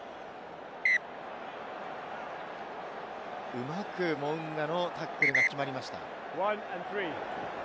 うまくモウンガのタックルが決まりました。